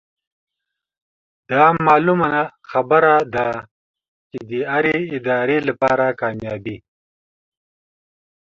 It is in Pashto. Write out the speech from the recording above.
دا معلومه خبره ده چې د هرې ادارې لپاره کاميابي